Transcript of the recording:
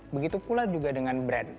begitu pula juga dengan brand